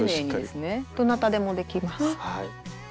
どなたでもできます。